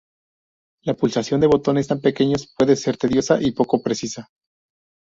La pulsación de botones tan pequeños puede ser tediosa y poco precisa.